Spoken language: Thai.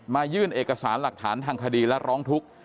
ยื่นเอกสารหลักฐานทางคดีและร้องทุกข์